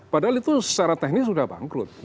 padahal itu secara teknis sudah bangkrut